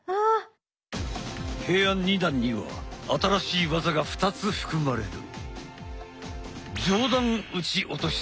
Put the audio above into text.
平安二段には新しい技が２つ含まれる。